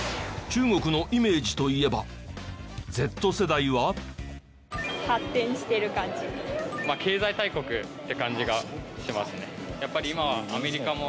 中国のイメージといえばＺ世代は。って感じがしますね。